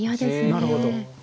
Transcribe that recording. なるほど。